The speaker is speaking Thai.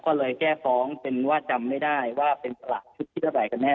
ก็เลยแก้ฟ้องเป็นว่าจำไม่ได้ว่าเป็นสลากชุดที่เท่าไหร่กันแน่